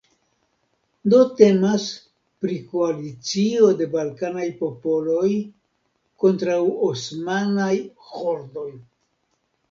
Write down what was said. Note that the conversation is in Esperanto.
Do temas pri koalicio de balkanaj popoloj kontraŭ osmanaj hordoj.